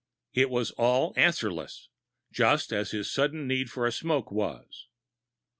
It was all answer less just as his sudden need for smoking was.